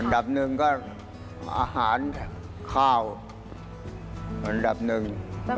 ับหนึ่งก็อาหารข้าวอันดับหนึ่ง